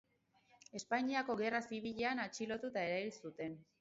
Espainiako Gerra Zibilean atxilotu eta erail zuten.